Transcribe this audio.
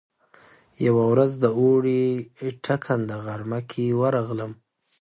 يوه ورځ د اوړي په ټکنده غرمه کې ورغلم.